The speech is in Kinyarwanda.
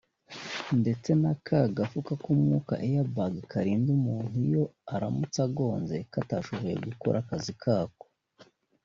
ndetse na ka gafuka k’umwuka (Air Bag) karinda umuntu iyo aramutse agonze katashoboye gukora akazi kako